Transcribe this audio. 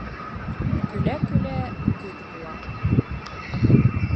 Көлә-көлә көҙ була.